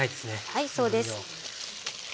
はいそうです。